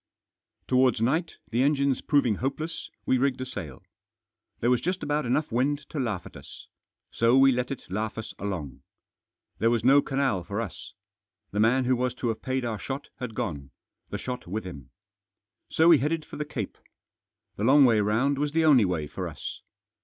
Towards night, the engines proving hopeless, we rigged a sail There was just about enough wind to laugh at us. So we let it laugh us along. There was no Canal for us. The man who was to have paid our shot had gone — the shot with him. So we headed for the Cape. The long way round was the only way for us.